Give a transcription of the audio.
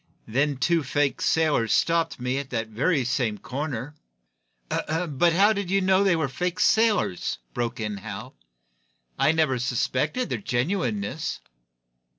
Then two fake sailors stopped me at that very same corner " "How did you know they were fake sailors?" broke in Hal. "I never suspected their genuineness."